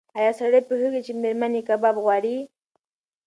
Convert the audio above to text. ایا سړی پوهېږي چې مېرمن یې کباب غواړي؟